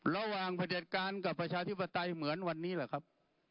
ระหว่างประเด็ดการณ์กับประชาธิบดัติเหมือนวันนี้แหละครับ